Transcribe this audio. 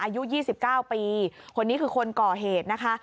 อายุ๒๙ปีคนนี้คือคนก่อเหตุนะคะ